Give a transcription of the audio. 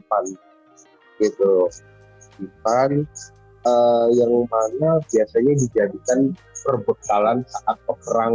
pangsit yang awalnya digunakan sebagai tempat menyimpan daging